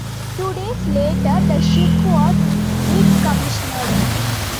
Two days later the ship was decommissioned.